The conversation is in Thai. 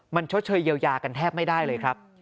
มันชดเชยเยียวยากันแทบไม่ได้เลยครับ